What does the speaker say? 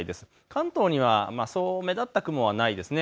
関東には目立った雲はないですね。